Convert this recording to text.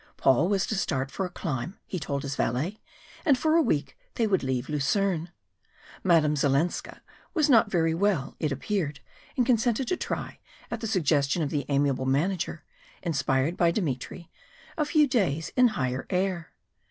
Paul was to start for a climb, he told his valet, and for a week they would leave Lucerne. Mme. Zalenska was not very well, it appeared, and consented to try, at the suggestion of the amiable manager inspired by Dmitry a few days in higher air.